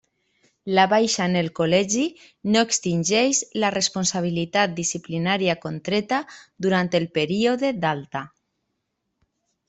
La baixa en el col·legi no extingeix la responsabilitat disciplinària contreta durant el període d'alta.